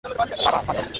বাবা, বাঁচাও!